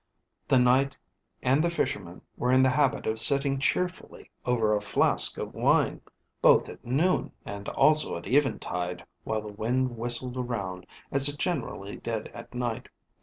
The Knight and the Fisherman were in the habit of sitting cheerfully over a flask of wine, both at noon, and also at eventide while the wind whistled around, as it generally did at night.